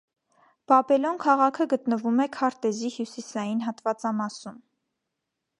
Բաբելոն քաղաքը գտնվում է քարտեզի հյուսիսային հատվածամասում։